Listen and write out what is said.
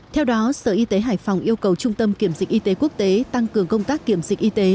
theo đó sở y tế hải phòng yêu cầu trung tâm kiểm dịch y tế quốc tế tăng cường công tác kiểm dịch y tế